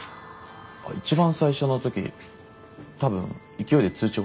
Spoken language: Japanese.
一番最初の時多分勢いで通知